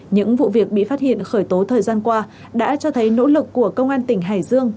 những vụ việc bị phát hiện khởi tố thời gian qua đã cho thấy nỗ lực của công an tỉnh hải dương